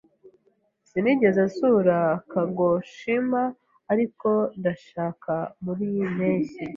Sinigeze nsura Kagoshima, ariko ndashaka muriyi mpeshyi.